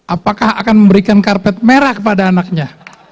apakah akan memberikan karpet merah kepada anaknya